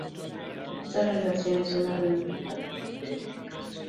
Estas relaciones son a menudo altamente específicas.